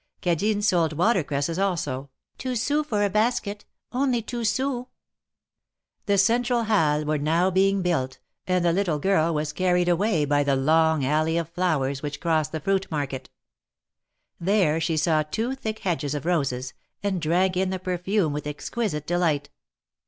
Cadine sold water cresses also. "Two sous for a basket — only two sous." The central Halles were now being built, and the little girl was carried away by the long alley of flowers which cross the fruit market. There she saw two thick hedges of roses, and drank in the perfume with exquisite delight.